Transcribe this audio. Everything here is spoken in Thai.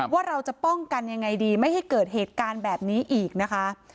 ว่าเราจะป้องกันยังไงดีไม่ให้เกิดเหตุการณ์แบบนี้อีกนะคะ